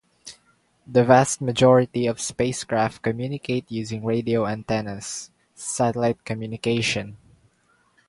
The vast majority of spacecraft communicate using radio antennas -- satellite communication.